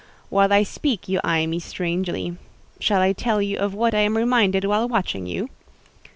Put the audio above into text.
While I speak you eye me strangely. Shall I tell you of what I am reminded while watching you?"